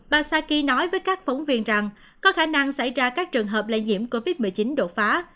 bà saki nói với các phóng viên rằng có khả năng xảy ra các trường hợp lây nhiễm covid một mươi chín đột phá